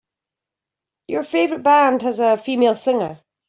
Your favorite band has a female singer.